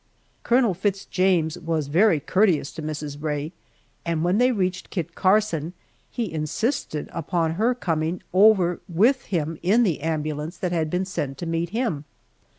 Colonel Fitz James was very courteous to Mrs. Rae, and when they reached Kit Carson he insisted upon her coming over with him in the ambulance that had been sent to meet him.